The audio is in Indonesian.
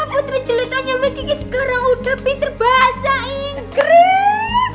putri jelitanya miss kiki sekarang udah pinter bahasa inggris